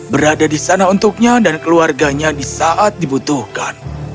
berada di sana untuknya dan keluarganya di saat dibutuhkan